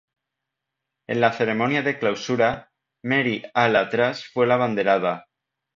En la ceremonia de clausura, Mary Al-Atrash fue la abanderada.